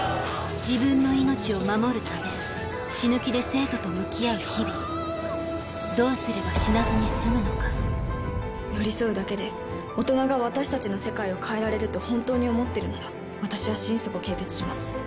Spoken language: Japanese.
自分の命を守るため死ぬ気で生徒と向き合う日々どうすれば死なずに済むのか寄り添うだけで大人が私たちの世界を変えられると本当に思ってるなら私は心底軽蔑します。